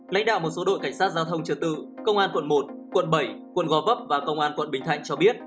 lãnh đạo một số đội cảnh sát giao thông trật tự công an quận một quận bảy quận gò vấp và công an quận bình thạnh cho biết